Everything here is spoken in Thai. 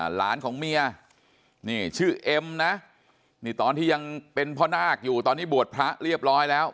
หลานของเมียนี่ชื่อเอ็มนะนี่ตอนที่ยังเป็นพ่อนาคอยู่ตอนนี้บวชพระเรียบร้อยแล้ว